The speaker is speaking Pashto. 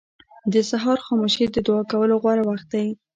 • د سهار خاموشي د دعا کولو غوره وخت دی.